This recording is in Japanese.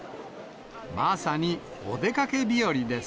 まさにお出かけ日和です。